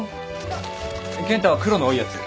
ケン太は黒の多いやつ。